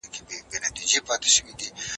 محمود همېشه پر دغه ځای بېدېدی.